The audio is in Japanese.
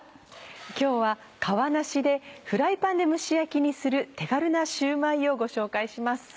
今日は皮なしでフライパンで蒸し焼きにする手軽なシューマイをご紹介します。